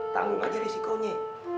tanggung aja risikonya